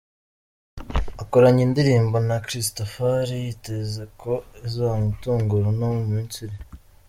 akoranye indirimbo na Christafari, yiteze ko izamutungura no mu minsi iri